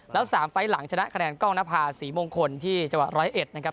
แล้วสามไปหลังชนะคะแนนกล้องพาสี่มงคลที่เจากะร้อยเอ็ดนะครับ